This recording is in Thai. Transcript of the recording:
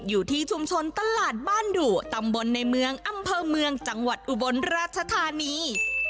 อยู่ที่ชุมชนตลาดบ้านดุตำบลในเมืองอำเภอเมืองจังหวัดอุบลราชธานี